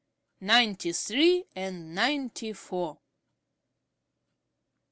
NINETY THREE AND NINETY FOUR.